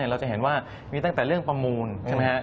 เราจะเห็นว่ามีตั้งแต่เรื่องประมูลใช่ไหมครับ